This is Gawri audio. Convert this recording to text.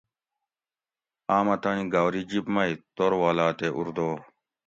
آمہ تانی گاؤری جِب مئ توروالاتے اُردو